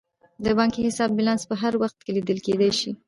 د بانکي حساب بیلانس په هر وخت کې لیدل کیدی شي.